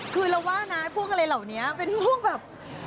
คือเราว่านะพวกอะไรเหล่านี้เป็นพวกแบบ